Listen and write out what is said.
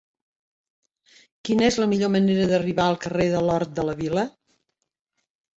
Quina és la millor manera d'arribar al carrer de l'Hort de la Vila?